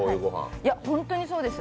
いや、本当にそうです。